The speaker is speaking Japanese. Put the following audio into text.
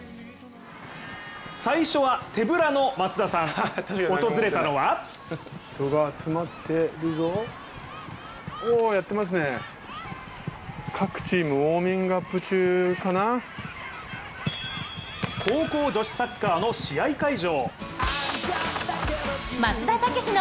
最初は手ぶらの松田さん訪れたのは高校女子サッカーの試合会場。